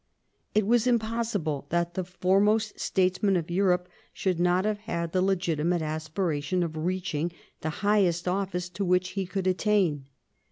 It was impossible that the foremost statesman in Europe should not have had the legitimate aspiration of reaching the highest office to which he could attain.